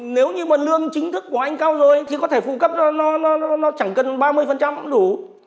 nếu như mà lương chính thức của anh cao rồi thì có thể phụ cấp cho nó chẳng cần ba mươi cũng đủ